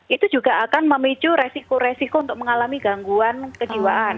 itu juga akan memicu resiko resiko untuk mengalami gangguan kejiwaan